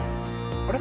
あれ？